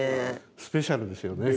スペシャルですよね。